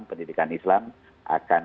islam pendidikan islam akan